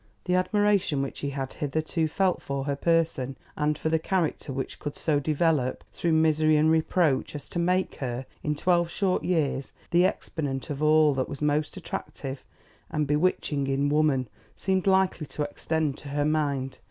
The admiration which he had hitherto felt for her person and for the character which could so develop through misery and reproach as to make her in twelve short years, the exponent of all that was most attractive and bewitching in woman, seemed likely to extend to her mind.